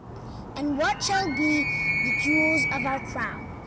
And what shall be the jewels of our crown?